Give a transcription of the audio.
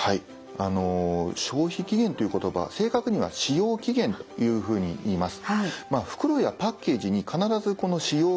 「消費期限」という言葉正確には「使用期限」というふうに言います。